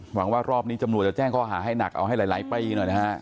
หวังว่ารอบนี้ตำรวจจะแจ้งข้อหาให้หนักเอาให้หลายปีหน่อยนะฮะ